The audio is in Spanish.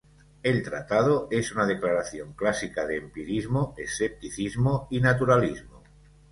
El Tratado es una declaración clásica de empirismo, escepticismo y naturalismo.